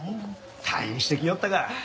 退院してきよったか。